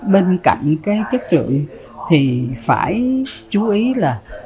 bên cạnh cái chất lượng thì phải chú ý là